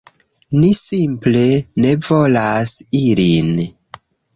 Ni simple ne volas ilin.